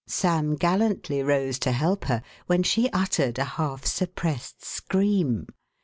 Sam gallantly rose to help her, when she uttered a half suppressed scream.